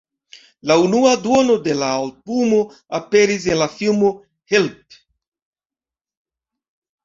La unua duono de la albumo aperis en la filmo "Help!